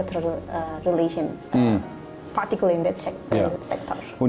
terutama di sektor halal